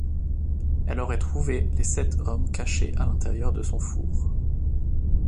Elle aurait trouvé les sept hommes cachés à l'intérieur de son four.